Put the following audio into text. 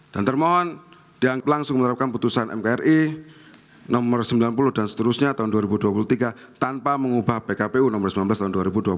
dan termohon dianggap langsung menerapkan putusan mkri nomor sembilan puluh dan seterusnya tahun dua ribu dua puluh tiga tanpa mengubah pkpu nomor sembilan belas tahun dua ribu dua puluh tiga